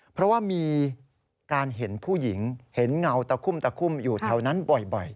เพราะว่ามีการเห็นผู้หญิงเห็นเงาตะคุ่มตะคุ่มอยู่แถวนั้นบ่อย